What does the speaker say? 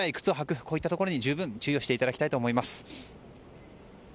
こういったことに十分注意していただきたいと思います。